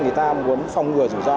người ta muốn phòng ngừa rủi ro